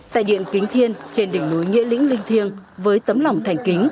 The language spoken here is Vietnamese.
tại điện kính thiên trên đỉnh núi nghĩa lĩnh linh thiêng với tấm lòng thành kính